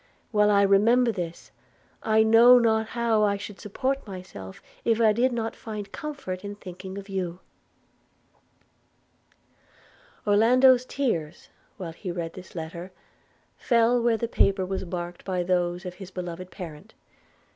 while I remember this, I know not how I should support myself if I did not find comfort in thinking of you.' Orlando's tears, while he read this letter, fell where the paper was marked by those of this beloved parent.